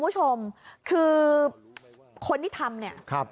นี่จริงคือคนที่ทำ